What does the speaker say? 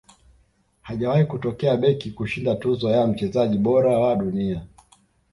hajawahi kutokea beki kushinda tuzo ya mchezaji bora wa dunia